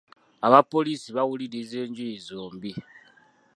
Abapoliisi bawuliriza enjuyi zombi.